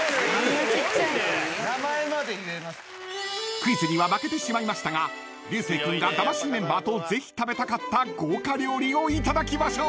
［クイズには負けてしまいましたが流星君が魂メンバーとぜひ食べたかった豪華料理をいただきましょう］